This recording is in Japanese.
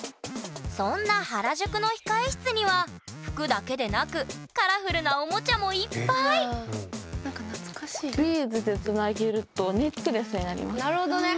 そんな原宿の控え室には服だけでなくカラフルなおもちゃもいっぱいなるほどね。